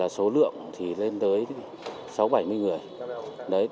số lượng thì lên tới sáu bảy mươi người